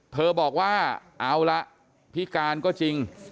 เธอบอกว่าเอาละพิการก็จริง